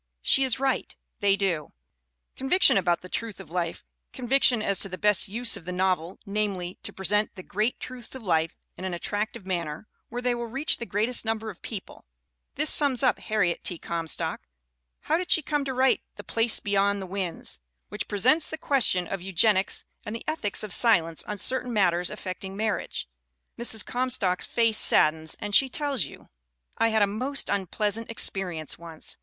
She is right, they do. Conviction about the truth of life, conviction as to the best use of the novel, namely, "to present the great truths of life in an attractive manner, where they will reach the greatest number of people" this sums up Harriet T. Comstock. How did she come to write The Place Beyond the Winds which presents the ques HARRIET T. COM STOCK 337 tion of eugenics and the ethics of silence on certain matters affecting marriage? Mrs. Comstock's face saddens and she tells you: "I had a most unpleasant experience once.